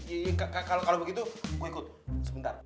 iya kalau begitu gue ikut sebentar